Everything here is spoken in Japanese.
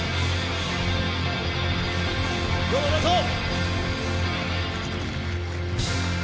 どうもありがとう！